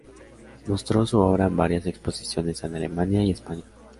Mostró su obra en varias exposiciones en Alemania y España.